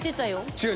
違う。